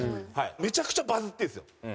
めちゃくちゃバズってるんですよ。